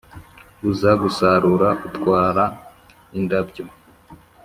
uza gusarura utwara indabyo.